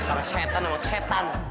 salah setan sama setan